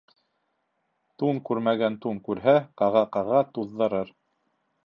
Тун күрмәгән тун күрһә, ҡаға-ҡаға туҙҙырыр.